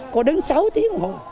cô đến sáu tiếng ngồi